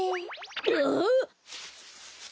あっ。